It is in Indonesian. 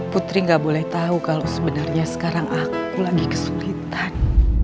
putri gak boleh tahu kalau sebenarnya sekarang aku lagi kesulitan